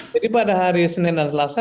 jadi pada hari senin dan selasa